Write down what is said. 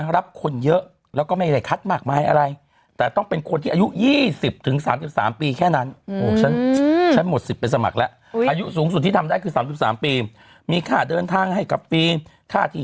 รับคนเยอะแล้วก็ไม่ได้คัดมากมายอะไร